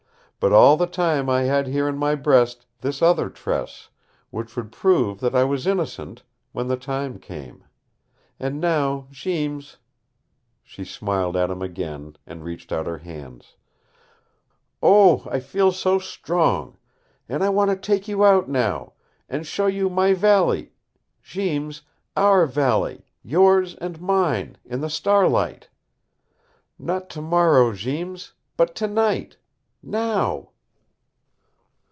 But all the time I had here in my breast this other tress, which would prove that I was innocent when the time came. And now, Jeems " She smiled at him again and reached out her hands. "Oh, I feel so strong! And I want to take you out now and show you my valley Jeems our valley yours and mine in the starlight. Not tomorrow, Jeems. But tonight. Now."